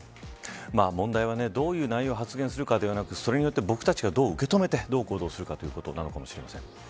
問題はどういう内容を発言するかではなくそれによって、僕たちがどう受け止めてどうするかということかもしれません。